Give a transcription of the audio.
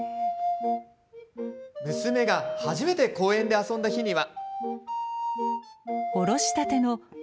娘が初めて公園で遊んだ日には。